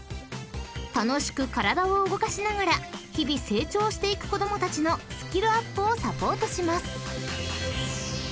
［楽しく体を動かしながら日々成長していく子供たちのスキルアップをサポートします］